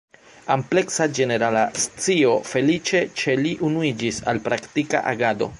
Ampleksa ĝenerala scio feliĉe ĉe li unuiĝis al praktika agado.